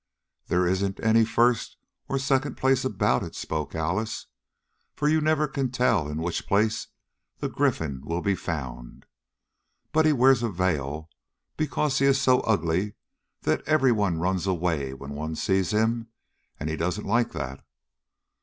"There isn't any first or second place about it," spoke Alice, "for you never can tell in which place the Gryphon will be found. But he wears a veil because he is so ugly that every one runs away when one sees him, and he doesn't like that.